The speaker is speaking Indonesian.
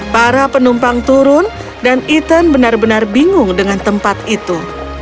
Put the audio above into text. para penumpang turun dan ethan benar benar bingung dengan tempat itu